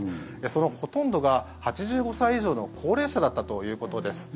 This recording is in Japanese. そのほとんどが８５歳以上の高齢者だったということです。